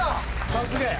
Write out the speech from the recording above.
さすがや。